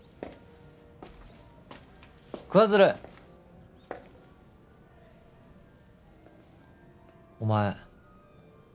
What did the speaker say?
桑鶴お前